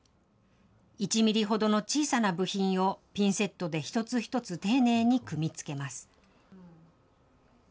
１ミリほどの小さな部品をピンセットで一つ一つ丁寧に組み付けます。